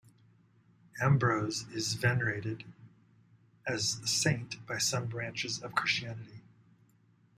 Ambrose is venerated as a saint by some branches of Christianity.